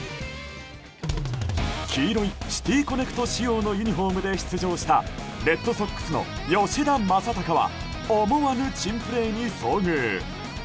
黄色いシティ・コネクト仕様のユニホームで出場したレッドソックスの吉田正尚は思わぬ珍プレーに遭遇。